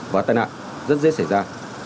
và tai nạn rất dễ xảy ra